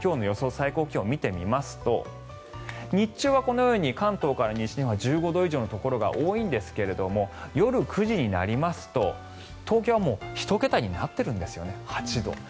最高気温を見てみますと日中はこのように関東から西では１５度以上のところが多いんですが夜９時になりますと東京はもう１桁になってるんですね。